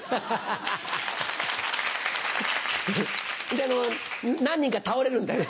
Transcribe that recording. で何人か倒れるんだよね。